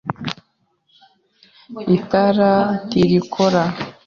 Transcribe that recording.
Itara ntirikora.